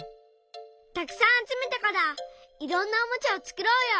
たくさんあつめたからいろんなおもちゃをつくろうよ。